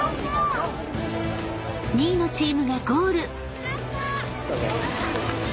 ［２位のチームがゴール］